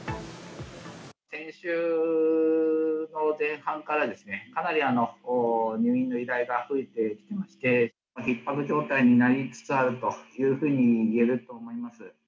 先週の前半から、かなり入院の依頼が増えてきまして、ひっ迫状態になりつつあるというふうに言えると思います。